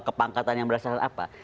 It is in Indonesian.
kepangkatan yang berasal dari apa